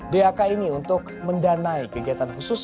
dak ini untuk mendanai kegiatan khusus